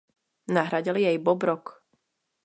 Nahradil jej Bob Rock.